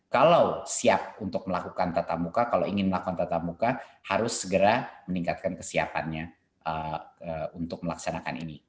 kalau siap untuk melakukan tatap muka kalau ingin melakukan tatap muka harus segera meningkatkan kesiapannya untuk melaksanakan ini